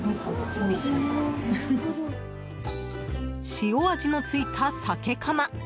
塩味のついた鮭カマ。